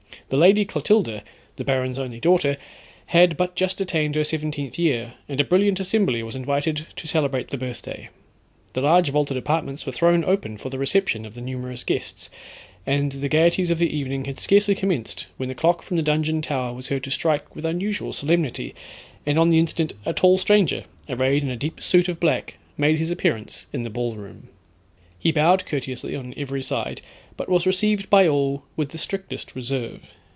The Lady Clotilda, the baron's only daughter, had but just attained her seventeenth year, and a brilliant assembly was invited to celebrate the birthday. The large vaulted apartments were thrown open for the reception of the numerous guests, and the gaieties of the evening had scarcely commenced when the clock from the dungeon tower was heard to strike with unusual solemnity, and on the instant a tall stranger, arrayed in a deep suit of black, made his appearance in the ballroom. He bowed courteously on every side, but was received by all with the strictest reserve.